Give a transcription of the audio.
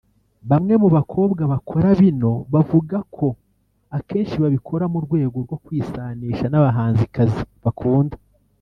Bamwe mu bakobwa bakora bino bavuga ko akenshi babikora mu rwego rwo kwisanisha n’abahanzikazi bakunda